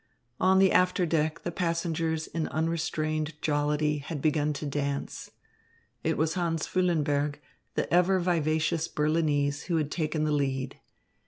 On the after deck the passengers in unrestrained jollity, had begun to dance. It was Hans Füllenberg, the ever vivacious Berlinese, who had taken the lead.